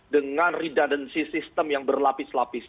dengan redundancy system yang berlapis lapis